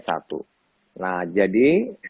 satu nah jadi